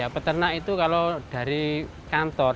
peternak itu kalau dari kantor